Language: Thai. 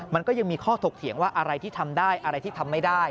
มันก็ยังมีข้อถกเถียงว่าอะไรที่ทำได้อะไรที่ทำไม่ได้